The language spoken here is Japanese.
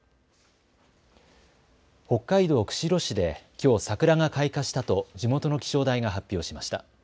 北海道釧路市できょう桜が開花したと地元の気象台が発表しました。